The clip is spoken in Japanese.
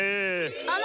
あの。